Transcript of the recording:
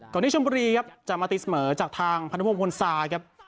ที่ชมบุรีครับจะมาตีเสมอจากทางพนุพงศวนซาครับ